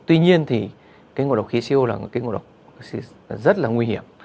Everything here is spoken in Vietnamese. tuy nhiên thì cái ngộ độc khí siêu là cái ngộ độc rất là nguy hiểm